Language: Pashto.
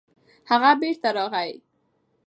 هغه بېرته راغی.